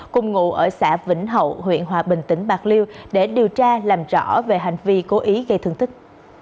cùng ngụ ở xã vĩnh hậu huyện hòa bình tỉnh bạc liêu để điều tra làm rõ về hành vi cố ý gây thương tích